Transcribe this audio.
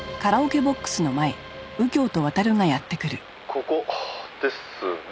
ここですね。